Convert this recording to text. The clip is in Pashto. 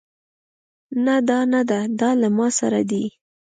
نه دا نده دا له ما سره دی